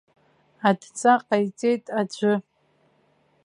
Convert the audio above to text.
Адҵа ҟаиҵеит аӡәы.